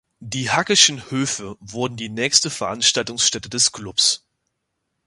Die „Hackeschen Höfe“ wurden die nächste Veranstaltungsstätte des Clubs.